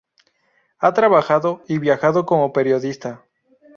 Ha trabajado y viajado como periodista.